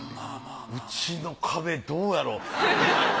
うちの壁どうやろう？